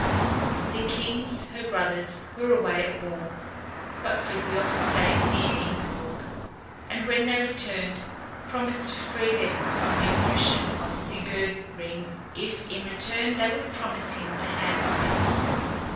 The kings, her brothers, were away at war, but Frithiof stayed near Ingeborg, and when they returned, promised to free them from the oppression of Sigurd Ring if in return they would promise him the hand of their sister.